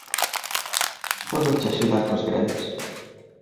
Pódoche axudar cos grelos